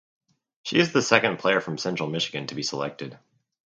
She is the second player from Central Michigan to be selected.